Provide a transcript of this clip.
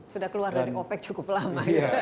sudah keluar dari opec cukup lama